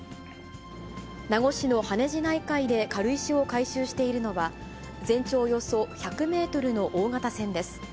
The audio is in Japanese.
名護市の羽地内海で軽石を回収しているのは、全長およそ１００メートルの大型船です。